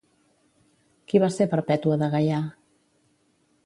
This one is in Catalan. Qui va ser Perpètua de Gaià?